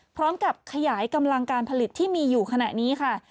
พร้อมกับขยายกำลังการผลิตที่มีอยู่ขณะนี้ค่ะ